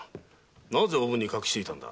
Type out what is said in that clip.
なぜおぶんに隠していたんだ？